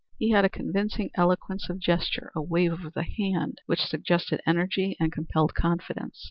He had a convincing eloquence of gesture a wave of the hand which suggested energy and compelled confidence.